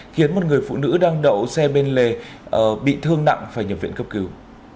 khiến một người phụ nữ đang đậu xe bên lề bị thương nặng phải nhập viện cấp cứu